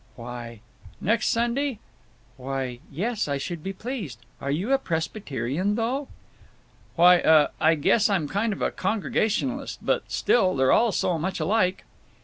"Why—" "Next Sunday?" "Why, yes, I should be pleased. Are you a Presbyterian, though?" "Why—uh—I guess I'm kind of a Congregationalist; but still, they're all so much alike."